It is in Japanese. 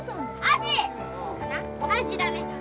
アジだね。